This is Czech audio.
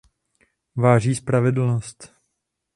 Váží spravedlnost.